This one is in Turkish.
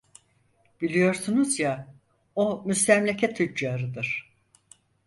Biliyorsunuz ya, o müstemleke tüccarıdır!